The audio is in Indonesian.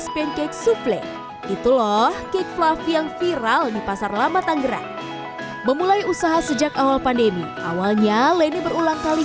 jangan lupa like share dan subscribe channel ini untuk dapat info terbaru dari kami